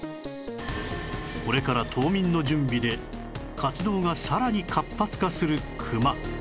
これから冬眠の準備で活動がさらに活発化するクマ